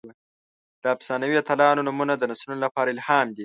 د افسانوي اتلانو نومونه د نسلونو لپاره الهام دي.